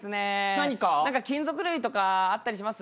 何か金属類とかあったりします？